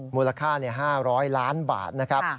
มูลค่า๕๐๐ล้านบาทนะครับ